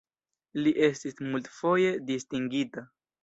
Li estis multfoje distingita.